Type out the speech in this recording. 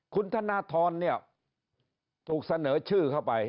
คุณธนทรเนี่ยถูกเสนอชื่อเข้าไป